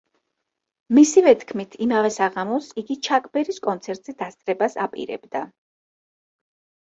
მისივე თქმით, იმავე საღამოს იგი ჩაკ ბერის კონცერტზე დასწრებას აპირებდა.